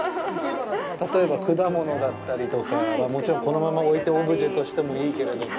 例えば、果物だったりとか、もちろん、このまま置いてオブジェとしてもいいけれども。